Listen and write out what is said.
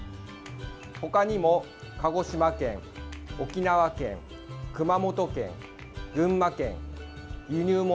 他にも鹿児島県、沖縄県、熊本県群馬県、輸入物